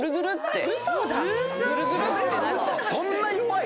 そんな弱い⁉